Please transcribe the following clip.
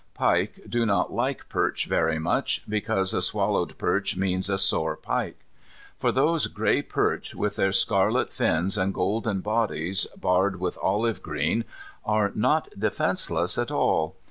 Pike do not like perch very much, because a swallowed perch means a sore pike. For those gay perch with their scarlet fins and golden bodies barred with olive green are not defenceless at all.